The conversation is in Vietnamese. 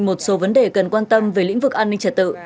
một số vấn đề cần quan tâm về lĩnh vực an ninh trật tự